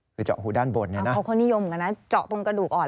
คือเจาะหูด้านบนเนี่ยนะเขาก็นิยมเหมือนกันนะเจาะตรงกระดูกอ่อน